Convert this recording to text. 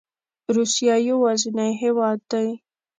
روسیه یوازینی هیواد دی